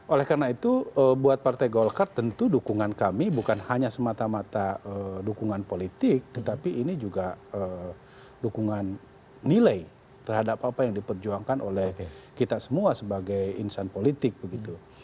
oleh karena itu buat partai golkar tentu dukungan kami bukan hanya semata mata dukungan politik tetapi ini juga dukungan nilai terhadap apa yang diperjuangkan oleh kita semua sebagai insan politik begitu